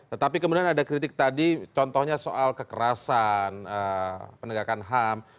tetapi kemudian ada kritik tadi contohnya soal kekerasan penegakan ham